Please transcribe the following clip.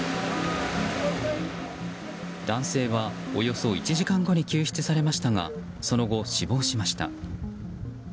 男性は、およそ１時間後に救出されましたがその後、死亡しました。